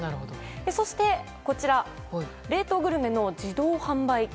そして、冷凍グルメの自動販売機。